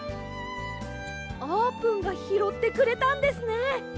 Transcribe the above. あーぷんがひろってくれたんですね！